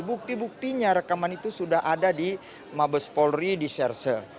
bukti buktinya rekaman itu sudah ada di mabes polri di serse